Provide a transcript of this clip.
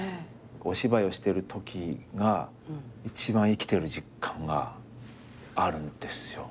お芝居をしてるときが一番生きてる実感があるんですよ。